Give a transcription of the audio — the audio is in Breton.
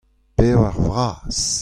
Pevar vras.